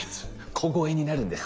小声になるんですね。